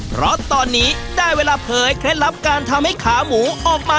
เพราะตอนนี้ได้เวลาเผยเคล็ดลับการทำให้ขาหมูออกมา